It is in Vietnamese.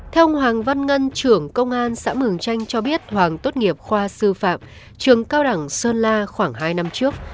theo ông hoàng văn ngân trưởng công an xã mường chanh cho biết hoàng tốt nghiệp khoa sư phạm trường cao đẳng sơn la khoảng hai năm trước